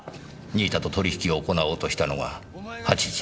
新井田と取引を行おうとしたのが８時。